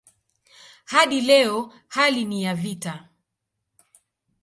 Hadi leo hali ni ya vita.